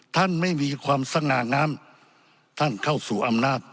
ท่านไม่มีความสง่างามท่านเข้าสู่อำนาจ